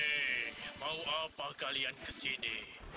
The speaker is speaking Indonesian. eh mau apa kalian ke sini